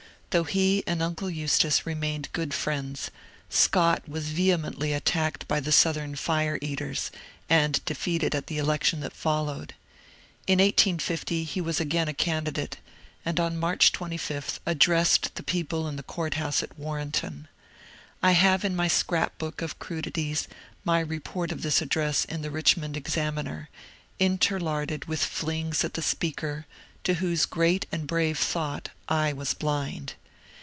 Though he and uncle Eustace remained good friends, Scott was vehemently attacked by the Southern ^^ fire eaters," and defeated at the election that followed. In 1850 he was again a candidate, and on March 25 addressed the people in the court house at Warrenton. I have in my scrap book of crudities my report of this address in the ^^ Richmond Ebcaminer," interlarded with flings at the speaker, to whose great and brave thought I was blind.